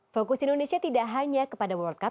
fokus indonesia tidak hanya kepada world cup